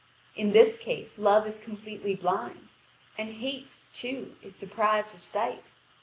In this case Love is completely blind, and Hate, too, is deprived of sight.